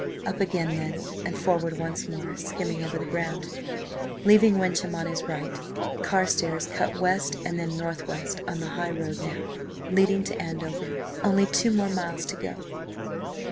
Up again then, and forward once more, skimming over the ground. Leaving Wyncham on his right, Carstares cut west and then north west, on the highroad now, leading to Andover. Only two more miles to go.